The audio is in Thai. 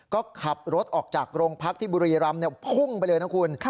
ก็ขับรถออกจากโรงพักที่บุรีรำพุ่งไปเลยนะคุณ